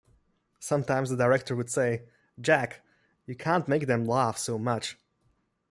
Sometimes the director would say, 'Jack, you can't make them laugh so much.